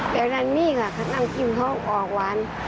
แบบนั้นมีค่ะกับน้ำจิ้มเพราะออกหวาน